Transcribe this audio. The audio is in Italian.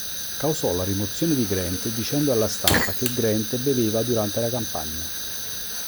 Causò la rimozione di Grant dicendo alla stampa che Grant beveva durante la campagna.